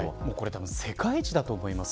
世界一だと思います。